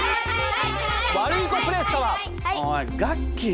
ワルイコプレス様！おいガッキー。